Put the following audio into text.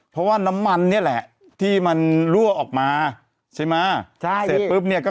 เพราะว่าน้ำมันนี่แหละที่มันรั่วออกมาใช่ไหม